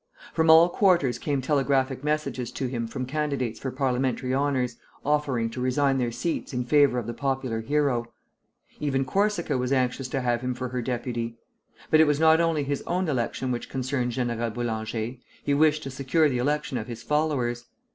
From all quarters came telegraphic messages to him from candidates for parliamentary honors, offering to resign their seats in favor of the popular hero. Even Corsica was anxious to have him for her deputy. But it was not only his own election which concerned General Boulanger; he wished to secure the election of his followers.